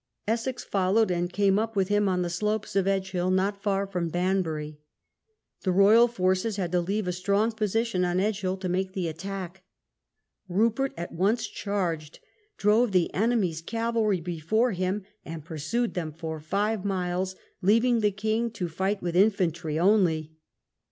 Essex followed and came up with him on the slopes of Edge hill, not far from Banbury. The Royal forces had to leave a strong position on Edgehiii to make the attack. Rupert at once charged, drove the enemy's cavalry before him, and pursued them for five miles, leaving the king to fight with infantry only.